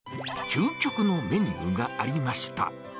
究極のメニューがありました。